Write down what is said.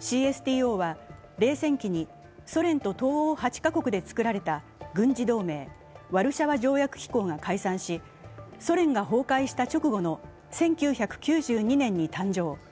ＣＳＴＯは冷戦期にソ連と東欧８カ国で作られた軍事同盟、ワルシャワ条約機構が解散し、ソ連が崩壊した直後の１９９２年に誕生。